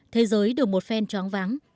thế giới đều một phen tróng váng